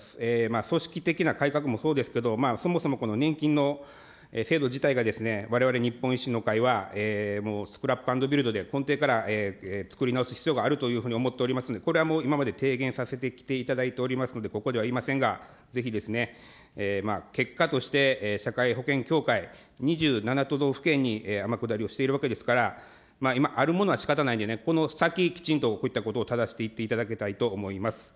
組織的な改革もそうですけど、そもそもこの年金の制度自体が、われわれ日本維新の会は、もうスクラップ＆ビルドで、根底からつくり直す必要があるというふうに思っておりますので、これはもう今まで提言させてきていただいておりますので、ここでは言いませんが、ぜひですね、結果として社会保険協会、２７都道府県に天下りをしているわけですから、今あるものはしかたないんでね、この先、きちんとこういったことをただしていっていただきたいと思います。